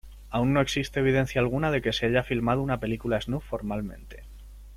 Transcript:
Aún no existe evidencia alguna de que se haya filmado una película snuff formalmente.